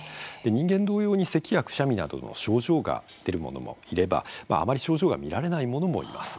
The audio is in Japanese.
人間同様にせきやくしゃみなどの症状が出るものもいればあまり症状が見られないものもいます。